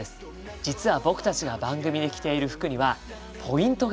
実は僕たちが番組で着ている服にはポイントがあるんです。